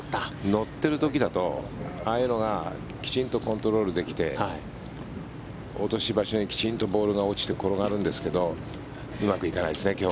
乗っている時だとああいうのがきちんとコントロールできて落とし場所にきちんとボールが落ちて転がるんですがうまくいかないですね。